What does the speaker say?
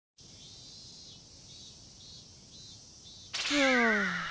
はあ。